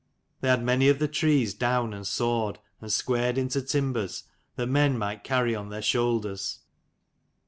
They had many of the trees down, and sawed, and squared into timbers, that men might carry on their shoulders.